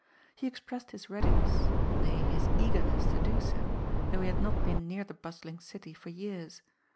He expressed his readiness — ^nay, his eagerness — to do so, though he had not been near the bustling city for years.